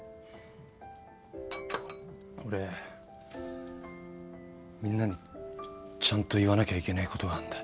俺みんなにちゃんと言わなきゃいけねえことがあんだ。